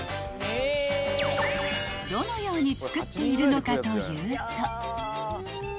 ［どのように作っているのかというと］